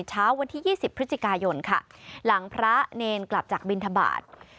เช้าวันที่ยี่สิบพฤติกายนค่ะหลังพระเนรกลับจากบิณฑบาต